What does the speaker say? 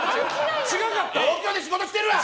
東京で仕事してるわ！